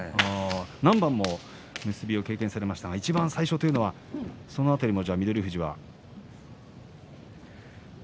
何番も結びを経験されましたがいちばん最初というのはその辺りは？